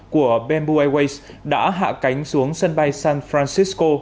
của bamboo airways đã hạ cánh xuống sân bay san francisco